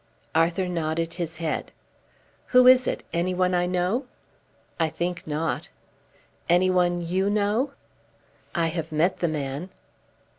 Arthur nodded his head. "Who is it? Any one I know?" "I think not." "Any one you know?" "I have met the man."